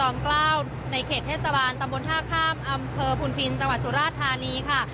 ในเขตเทศบาลตำบลท่าข้ามอำเภอพุนพินจังหวัดสุราธานีค่ะ